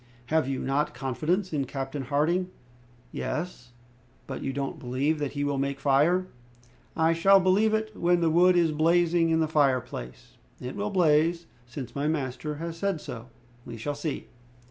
"Have you not confidence in Captain Harding?" "Yes." "But you don't believe that he will make fire?" "I shall believe it when the wood is blazing in the fireplace." "It will blaze, since my master has said so." "We shall see!"